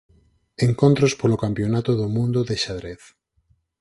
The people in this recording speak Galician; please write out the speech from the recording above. Encontros polo campionato do mundo de xadrez